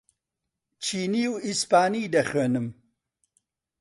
چینی و ئیسپانی دەخوێنم.